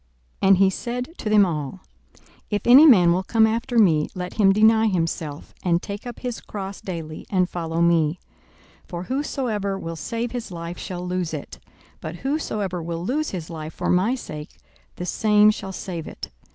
42:009:023 And he said to them all, If any man will come after me, let him deny himself, and take up his cross daily, and follow me. 42:009:024 For whosoever will save his life shall lose it: but whosoever will lose his life for my sake, the same shall save it.